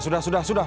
sudah sudah sudah